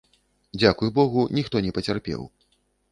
Дзякуй богу, ніхто не пацярпеў.